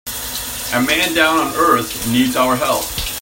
A man down on earth needs our help.